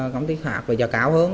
công ty khác về giờ cao hơn